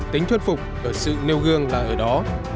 tính thuyết phục ở sự nêu gương là ở đó